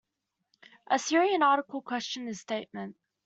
A Syrian article questioned his statement.